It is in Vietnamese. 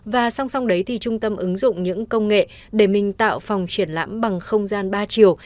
và song song đấy thì trung tâm ứng dụng những công nghệ để mình tạo phòng triển lãm bằng không gian ba chiều